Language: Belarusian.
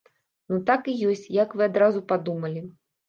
Ну так і ёсць, як вы адразу падумалі.